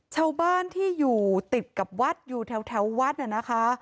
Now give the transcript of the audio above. ชาวบ้านที่อยู่ติดกับวัดอยู่แถววัดน่ะนะคะ